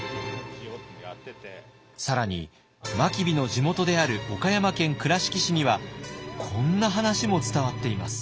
更に真備の地元である岡山県倉敷市にはこんな話も伝わっています。